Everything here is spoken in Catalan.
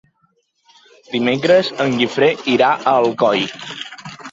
Dimecres en Guifré irà a Alcoi.